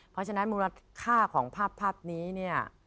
เพราะฉะนั้นมูลค่าของภาพนี้เนี่ย